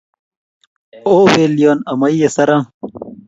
O belion amoyie saram